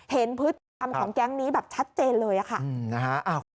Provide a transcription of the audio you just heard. เห็นพฤติธรรมของแก๊งนี้แบบชัดเจนเลยอะค่ะอืมนะคะ